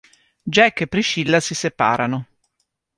Jack e Priscilla si separano.